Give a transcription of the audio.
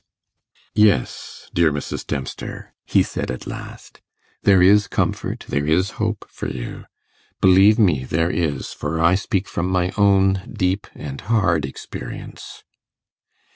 'Yes, dear Mrs. Dempster,' he said at last, 'there is comfort, there is hope for you. Believe me there is, for I speak from my own deep and hard experience.